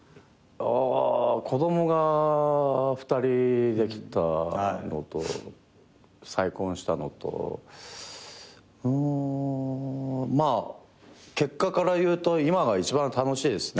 子供が２人できたのと再婚したのとうんまあ結果からいうと今が一番楽しいですね。